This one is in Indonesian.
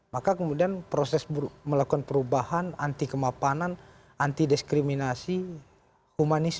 maka kemudian proses melakukan perubahan anti kemapanan anti diskriminasi humanis